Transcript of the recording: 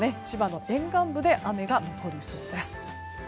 千葉の沿岸部で雨が残りそうです。